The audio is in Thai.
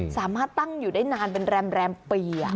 สามารถตั้งอยู่ได้นานเป็นแรมปี